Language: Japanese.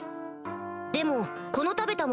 でもこの食べた物